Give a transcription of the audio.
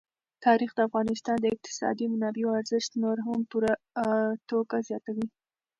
تاریخ د افغانستان د اقتصادي منابعو ارزښت نور هم په پوره توګه زیاتوي.